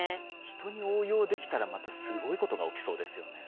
人に応用できたらまたすごいことが起きそうですよね。